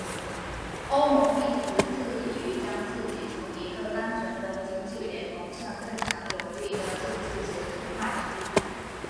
欧盟一直致力于将自己从一个单纯的经济联盟向更强有力的政治实体迈进。